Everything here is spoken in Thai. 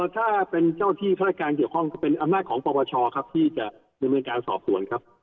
ถ้าเป็นเจ้าที่ฆาตการเกี่ยวข้องก็เป็นอำนาจของปปชครับที่จะดำเนินการสอบสวนครับ